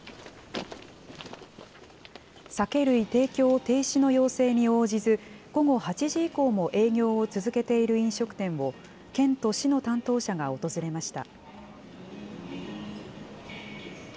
酒類提供停止の要請に応じず、午後８時以降も営業を続けている飲食店を、県と市の担当者が訪れました。